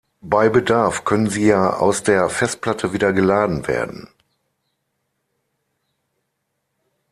Bei Bedarf können sie ja aus der Festplatte wieder geladen werden.